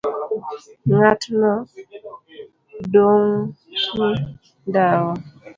Ng'atno dung' ndawa